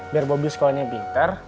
biar bobi sekolahnya pinter